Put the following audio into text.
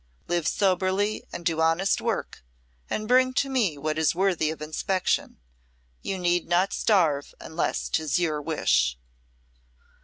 Live soberly and do honest work and bring to me what is worthy of inspection. You need not starve unless 'tis your wish."